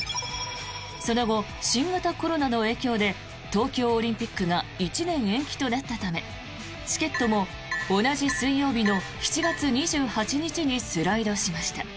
その後、新型コロナの影響で東京オリンピックが１年延期となったためチケットも同じ水曜日の７月２８日にスライドしました。